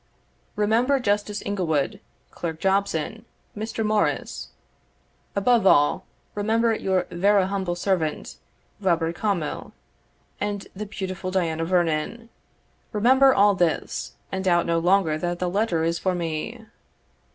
"remember Justice Inglewood, Clerk Jobson, Mr. Morris above all, remember your vera humble servant, Robert Cawmil, and the beautiful Diana Vernon. Remember all this, and doubt no longer that the letter is for me."